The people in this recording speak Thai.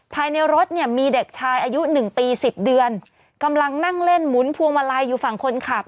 ภายในรถเนี่ยมีเด็กชายอายุหนึ่งปีสิบเดือนกำลังนั่งเล่นหมุนพวงมาลัยอยู่ฝั่งคนขับ